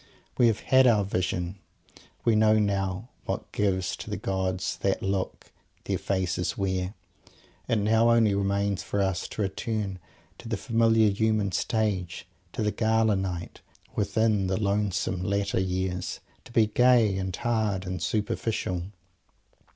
We have had our Vision. We know now what gives to the gods "that look" their faces wear. It now only remains for us to return to the familiar human Stage; to the "Gala Night, within the lonesome latter years," and be gay, and "hard," and "superficial"!